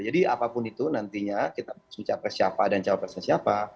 jadi apapun itu nantinya kita harus mencapres siapa dan capres siapa